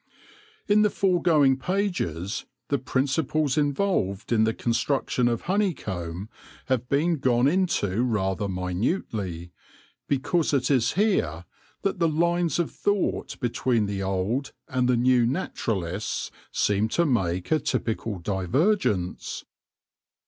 In the foregoing pages the principles involved in the construction of honey comb have been gone into rather minutely, because it is here that the lines of thought between the old and the new naturalists seem to make a typical divergence.